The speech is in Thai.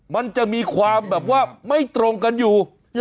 มันจะมีความแบบว่าไม่ตรงกันอยู่